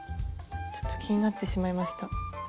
ちょっと気になってしまいました。